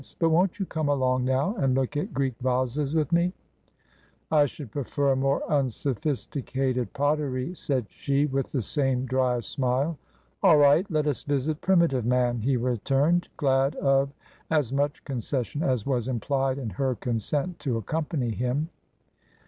But won't you come along now and look at Greek vases with me ?"" I should prefer a more unsophisticated pottery," said she, with the same dry smile. " All right. Let us visit primitive man," he returned, glad of as much concession as was implied in her consent to accompany him.